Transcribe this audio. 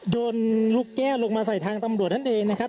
ลูกแก้วลงมาใส่ทางตำรวจนั่นเองนะครับ